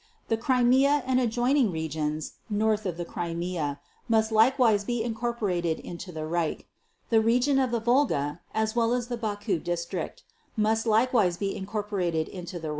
The Crimea and adjoining regions (north of the Crimea) must likewise be incorporated into the Reich. The region of the Volga as well as the Baku district must likewise be incorporated into the Reich.